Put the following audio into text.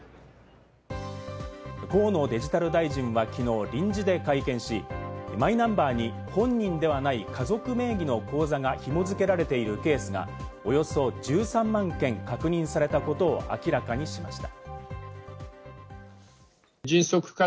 河野デジタル大臣はきのう臨時で会見し、マイナンバーに本人ではない家族名義の口座がひも付けられているケースがおよそ１３万件確認されたことを明らかにしました。